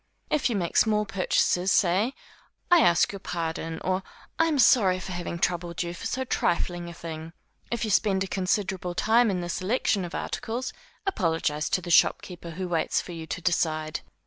If you make small purchases, say, I ask your pardon, or I am sorry for having troubled you for so trifling a thing. If you spend a considerable time in the selection of articles, apologize to the shopkeeper who waits for you to decide.